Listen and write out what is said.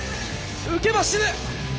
浮けば死ぬ！